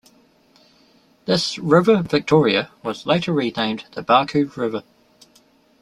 This "River Victoria" was later renamed the Barcoo River.